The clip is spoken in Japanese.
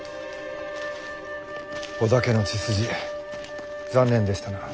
織田家の血筋残念でしたな。